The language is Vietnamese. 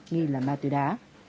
nghi là ma tuy đá